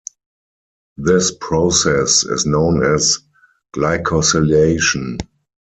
This process is known as glycosylation.